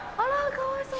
かわいそう。